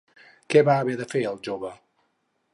Què va haver de fer el jove?